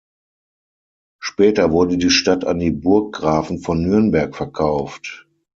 Später wurde die Stadt an die Burggrafen von Nürnberg verkauft.